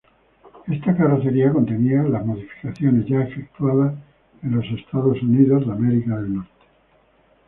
Esta carrocería contenía las modificaciones ya efectuadas en Estados Unidos.